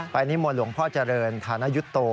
ไปอันนี้มวลหลวงพ่อเจริญธานยุโต